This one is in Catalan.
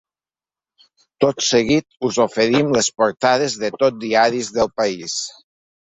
Tot seguit us oferim les portades de tot diaris del país.